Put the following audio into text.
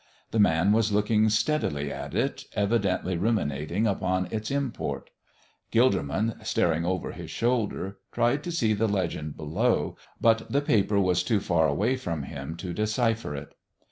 The man was looking steadily at it, evidently ruminating upon its import. Gilderman, staring over his shoulder, tried to see the legend below, but the paper was too far away from him to decipher it.